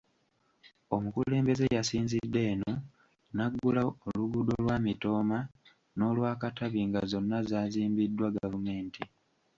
Omukulembeze yasinzidde eno n’aggulawo oluguudo lwa Mitooma n’olwa Katabi nga zonna zaazimbiddwa gavumenti.